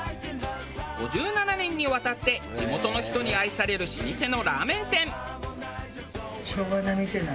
５７年にわたって地元の人に愛される老舗のラーメン店。